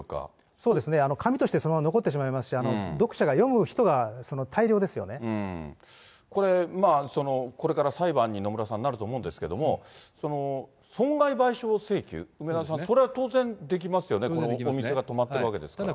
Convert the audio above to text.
そうですね、紙としてそのまま残ってしまいますし、読者が、これ、これから裁判に野村さん、なると思うんですけれども、損害賠償請求、梅澤さん、それは当然できますよね、お店が止まっているわけですから。